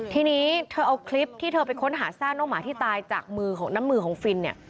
ทีนี้เธอเอาคลิปที่เธอไปค้นหาซากน้องหมาที่ตายจากมือของน้ำมือของฟินเนี่ย